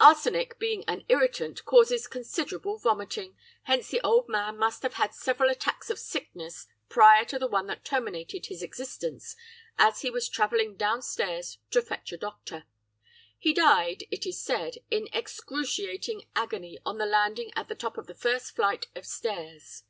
"'Arsenic being an irritant, causes considerable vomiting, hence the old man must have had several attacks of sickness prior to the one that terminated his existence as he was travelling downstairs to fetch a doctor. He died, it is said, in excruciating agony on the landing at the top of the first flight of stairs.